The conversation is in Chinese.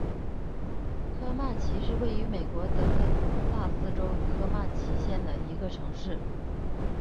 科曼奇是位于美国得克萨斯州科曼奇县的一个城市。